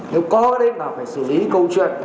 nếu có đấy là phải xử lý câu chuyện